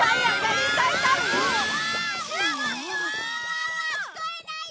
聞こえないよー！